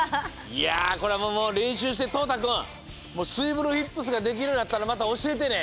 いやこれはもうれんしゅうしてとうたくんもうスイブル・ヒップスができるようになったらまたおしえてね。